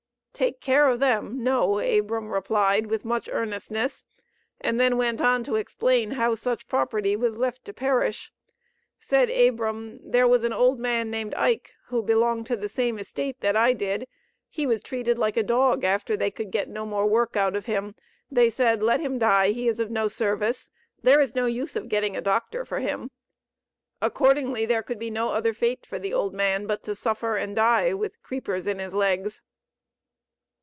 "Take care of them! no!" Abram replied with much earnestness, and then went on to explain how such property was left to perish. Said Abram, "There was an old man named Ike, who belonged to the same estate that I did, he was treated like a dog; after they could get no more work out of him, they said, 'let him die, he is of no service; there is no use of getting a doctor for him.' Accordingly there could be no other fate for the old man but to suffer and die with creepers in his legs."